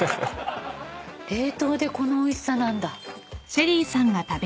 冷凍でこのおいしさなんだ。